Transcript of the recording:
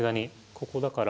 ここだから？